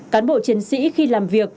cán bộ chiến sĩ khi làm việc